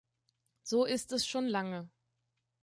So ist es schon lange.